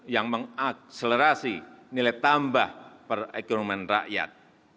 yang mengakselerasi nilai tambah per ekonomi rakyat